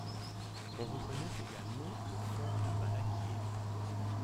On reconnaît également le fort de Balaguier.